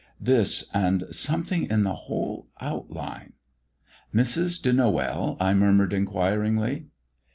This and something in the whole outline "Mrs. de Noël?" I murmured inquiringly.